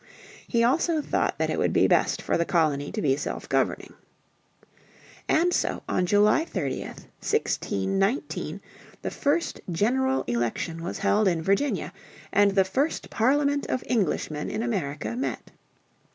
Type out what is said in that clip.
He also thought that it would be best for the colony to be self governing. And so on July 30th, 1619, the first General Election was held in Virginia, and the first Parliament of Englishmen in America met.